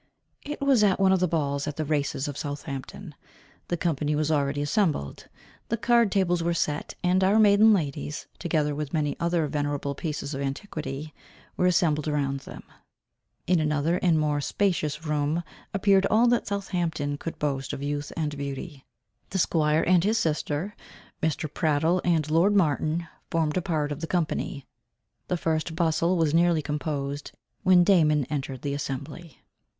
It was at one of the balls at the races at Southampton the company was already assembled. The card tables were set, and our maiden ladies, together with many other venerable pieces of antiquity, were assembled around them. In another and more spacious room, appeared all that Southampton could boast of youth and beauty. The squire and his sister, Mr. Prattle, and lord Martin, formed a part of the company. The first bustle was nearly composed, when Damon entered the assembly.